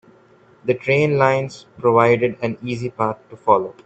The train lines provided an easy path to follow.